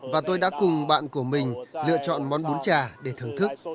và tôi đã cùng bạn của mình lựa chọn món bún trà để thưởng thức